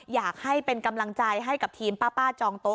อยากให้เป็นกำลังใจให้กับทีมป้าจองโต๊